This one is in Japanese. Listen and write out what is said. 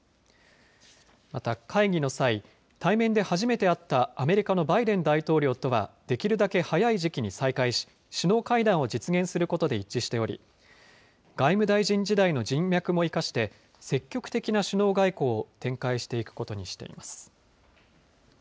また会議の際、対面で初めて会ったアメリカのバイデン大統領とはできるだけ早い時期に再会し、首脳会談を実現することで一致しており、外務大臣時代の人脈も生かして、積極的な首脳外交を展開していくことにしています。